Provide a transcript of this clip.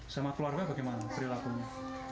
sama keluarga bagaimana perilakunya